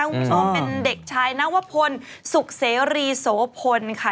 คุณผู้ชมเป็นเด็กชายนวพลสุขเสรีโสพลค่ะ